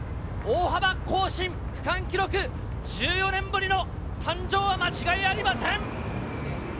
大幅更新、区間記録１４年ぶりの誕生は間違いありません！